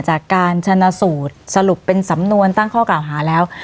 จากการชนะสูตรสรุปเป็นสำนวนตั้งข้อกล่าวหาแล้ว